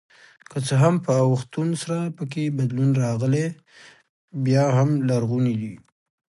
که څه هم په اوښتون سره پکې بدلون راغلی بیا هم لرغوني دي.